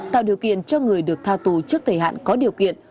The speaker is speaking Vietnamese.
tạo điều kiện cho người được tha tù trước thời hạn có điều kiện